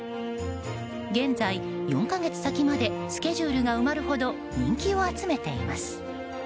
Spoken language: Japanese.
現在、４か月先までスケジュールが埋まるほど人気を集めています。